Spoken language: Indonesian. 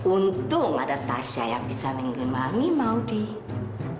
untung ada tasya yang bisa menggelim mami maudie